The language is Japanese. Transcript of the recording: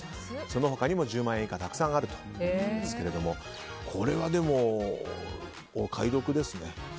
その他にも１０万円以下たくさんあるということですがこれはお買い得ですね。